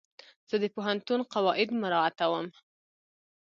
زه د پوهنتون قواعد مراعتوم.